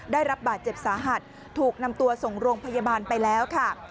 ได้รับบาดเจ็บสาหัสถูกนำตัวส่งโรงพยาบาลไปแล้วค่ะ